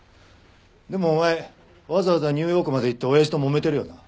でもお前わざわざニューヨークまで行って親父ともめてるよな？